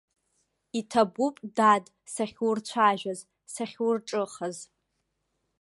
Иҭабуп, дад, сахьурцәажәаз, сахьурҿыхаз.